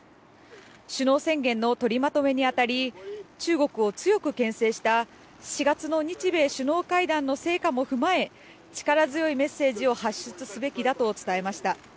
首脳宣言の取りまとめに当たり中国を強くけん制した４月の日米首脳会談の成果も踏まえ力強いメッセージを発出すべきだと伝えました。